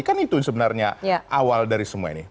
kan itu sebenarnya awal dari semua ini